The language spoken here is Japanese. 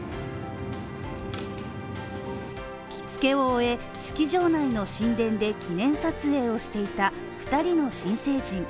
着付けを終え、式場内の神殿で記念撮影をしていた２人の新成人。